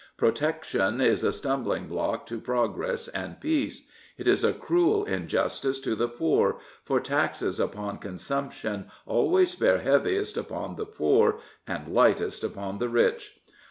Protection is a stumbling block to progress and peace. It is a cruel injustice to the* poor, for taxes upon consumption always bear heaviest upon the poor and lightest upon the rich.